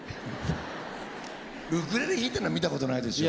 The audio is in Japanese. ウクレレ弾いてんのは見たことないですよ。